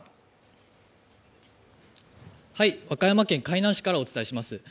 和歌山県海南市からお伝えします。